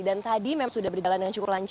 dan tadi memang sudah berdialan